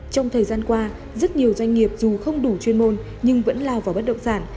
trong thời gian qua rất nhiều doanh nghiệp dù không đủ chuyên môn nhưng vẫn lao vào bất động sản